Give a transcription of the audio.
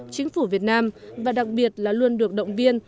chính phủ việt nam và đặc biệt là luôn được động viên